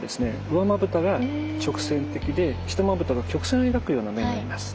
上まぶたが直線的で下まぶたが曲線を描くような目になります。